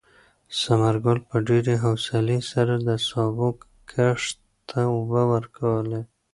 ثمر ګل په ډېرې حوصلې سره د سابو کښت ته اوبه ورکولې.